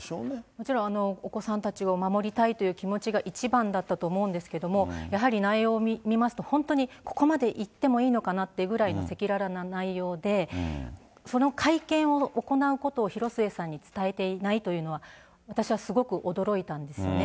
もちろん、お子さんたちを守りたいという気持ちが一番だったと思うんですけども、やはり内容を見ますと、本当にここまで言ってもいいのかなというぐらい赤裸々な内容で、その会見を行うことを広末さんに伝えていないというのは、私はすごく驚いたんですよね。